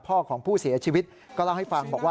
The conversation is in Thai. ของผู้เสียชีวิตก็เล่าให้ฟังบอกว่า